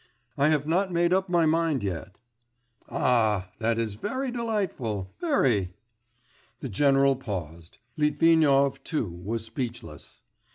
'I have not made up my mind yet.' 'Ah! that is very delightful ... very.' The general paused. Litvinov, too, was speechless.